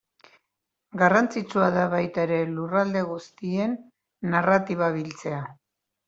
Garrantzitsua da baita ere lurralde guztien narratiba biltzea.